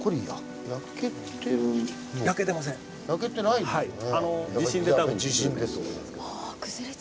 焼けてないですよね。